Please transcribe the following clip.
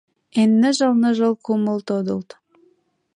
Эн ныжыл-ныжыл кумыл тодылт